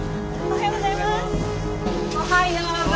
おはようございます。